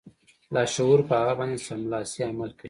لاشعور په هغه باندې سملاسي عمل کوي